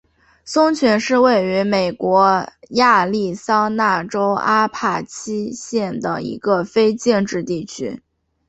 松泉是位于美国亚利桑那州阿帕契县的一个非建制地区。